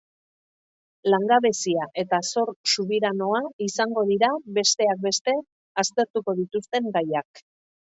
Langabezia eta zor subiranoa izango dira, besteak beste, aztertuko dituzten gaiak.